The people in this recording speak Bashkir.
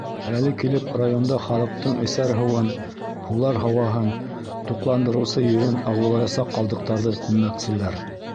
Әле килеп районда халыҡтың эсәр һыуын, һулар һауаһын, туҡландырыусы ерен ағыулаясаҡ ҡалдыҡтарҙы күммәкселәр.